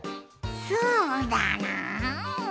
そうだな。